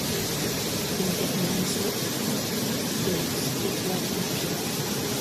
In Vietnamese is it written Thi.